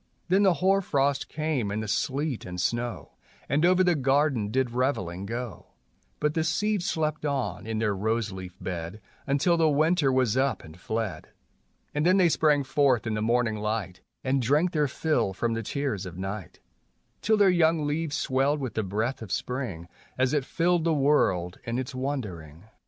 Then the hoar frost came and the sleet and snow, And over the garden did reveling go; But the seeds slept on in their rose leaf bed Until the winter was up and fled, And then they sprang forth in the morning light, And drank their fill from the tears of night, Till their young leaves swelled with the breath of spring As it filled the world in its wandering.